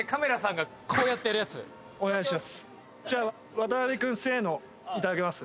渡辺くん「せーの」いただけます？